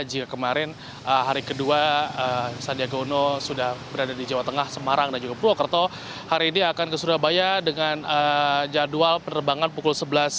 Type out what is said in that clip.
jika kemarin hari kedua sandiaga uno sudah berada di jawa tengah semarang dan juga purwokerto hari ini akan ke surabaya dengan jadwal penerbangan pukul sebelas tiga puluh